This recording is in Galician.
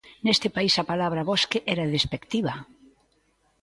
Neste país a palabra bosque era despectiva.